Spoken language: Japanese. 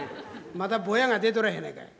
まだぼやが出とらへんやないかい。